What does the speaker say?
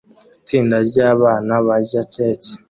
Itsinda ryabana barya keke